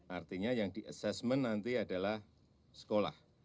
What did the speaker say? artinya yang di assessment nanti adalah sekolah